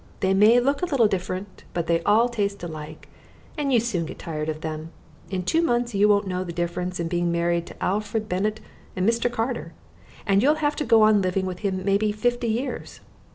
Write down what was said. They may look a little different, but they all taste alike, and you soon get tired of them. In two months you won't know the difference in being married to Alfred Bennett and Mr. Carter, and you'll have to go on living with him maybe fifty years.